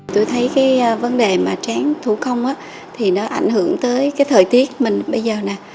tôi thấy cái vấn đề mà tráng thủ công á thì nó ảnh hưởng tới cái thời tiết mình bây giờ nè